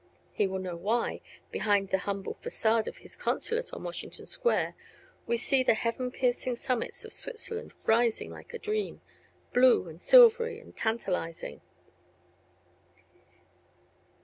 He will know why, behind the humble façade of his consulate on Washington Square, we see the heaven piercing summits of Switzerland rising like a dream, blue and silvery and tantalizing.